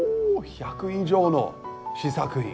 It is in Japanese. １００以上の試作品。